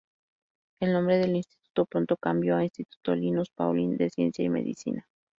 El nombre del instituto pronto cambió a Instituto Linus Pauling de Ciencia y Medicina.